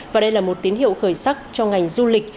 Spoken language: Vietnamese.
và đây là một tín hiệu khởi sắc cho ngành du lịch